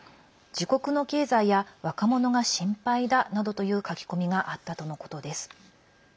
自国の経済や若者が心配だなどという書き込みがあったとのことです。